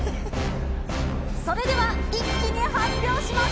それでは一気に発表します。